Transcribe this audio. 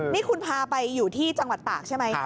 นี่คุณพาไปอยู่ที่จังหวัดตากใช่ไหม